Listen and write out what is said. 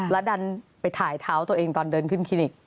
แล้วดันไปถ่ายเท้าตัวเองตอนเดินขึ้นคลินิก